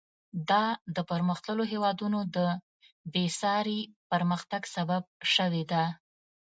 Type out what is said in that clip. دا د پرمختللو هېوادونو د بېساري پرمختګ سبب شوې ده.